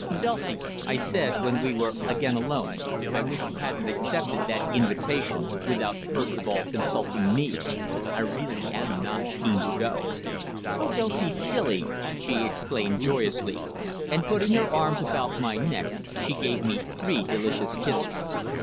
"Dulcie," I said, when we were again alone, "I wish you hadn't accepted that invitation without first of all consulting me. I really am not keen to go." "Oh, don't be silly!" she exclaimed joyously, and, putting her arms about my neck, she gave me three delicious kisses.